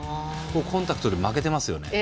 コンタクトで負けてますよね。